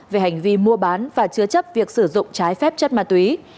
về hành vi mua bán và chứa chấp việc sử dụng trái phép chất ma túy